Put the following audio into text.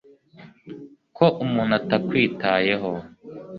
ko umuntu akwitayeho